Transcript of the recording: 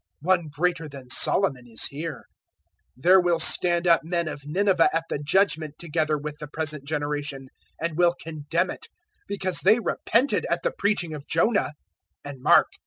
One greater than Solomon is here. 011:032 There will stand up men of Nineveh at the Judgement together with the present generation, and will condemn it; because they repented at the preaching of Jonah; and mark!